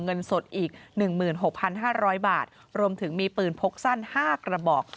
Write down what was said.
เงินสดอีก๑๖๕๐๐บาทรวมถึงมีปืนพกสั้น๕กระบอก